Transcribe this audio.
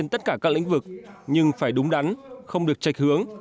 tất cả các lĩnh vực nhưng phải đúng đắn không được trạch hướng